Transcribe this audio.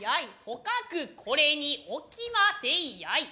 とかくこれに置きませいヤイ。